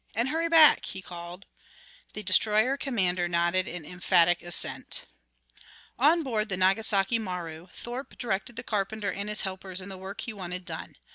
"And hurry back," he called. The destroyer commander nodded an emphatic assent. On board the Nagasaki Maru, Thorpe directed the carpenter and his helpers in the work he wanted done.